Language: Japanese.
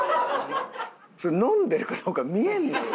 それ飲んでるかどうか見えんのよ。